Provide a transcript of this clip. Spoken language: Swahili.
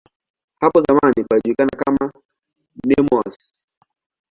Hapo zamani palijulikana kama "Nemours".